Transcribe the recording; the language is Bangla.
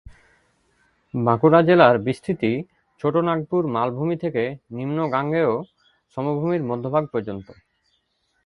বাঁকুড়া জেলার বিস্তৃতি ছোটনাগপুর মালভূমি থেকে নিম্ন গাঙ্গেয় সমভূমির মধ্যভাগ পর্যন্ত।